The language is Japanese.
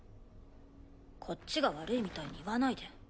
こっちが悪いみたいに言わないで。